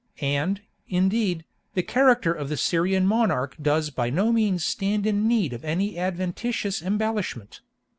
And, indeed, the character of the Syrian monarch does by no means stand in need of any adventitious embellishment.